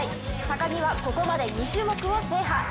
高木はここまで２種目を制覇。